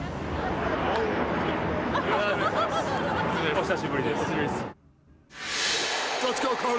お久しぶりです。